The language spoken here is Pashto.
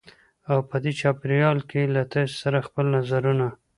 او په دې چاپېریال کې له تاسې سره خپل نظرونه